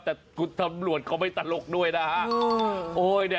แต่คุณตำรวจเขาไม่ตลกด้วยนะฮะ